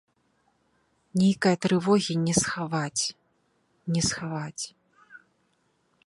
Нейкае трывогі не схаваць, не схаваць.